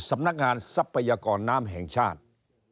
สำนักงานทรัพยากรน้ำแห่งชาติ